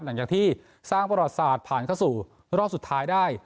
หลังจากที่สร้างประวัติศาสตร์ผ่านเข้าสู่รอบสุดท้ายได้